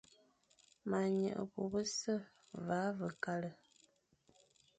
Ma nyeghe bô bese, va ve kale.